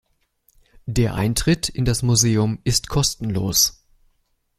Der Eintritt in das Museum ist kostenlos.